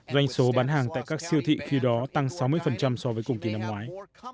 doanh số bán hàng tại các siêu thị khi đó tăng sáu mươi so với cùng kỳ năm ngoái